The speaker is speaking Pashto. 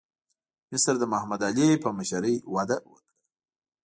مصر د محمد علي په مشرۍ وده وکړه.